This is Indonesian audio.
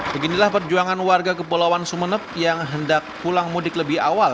beginilah perjuangan warga kepulauan sumeneb yang hendak pulang mudik lebih awal